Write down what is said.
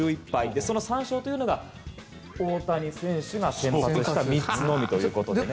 その３勝というのが大谷選手が先発した３つのみということですね。